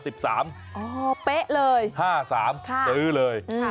เป๊ะเลย๕๓ซื้อเลย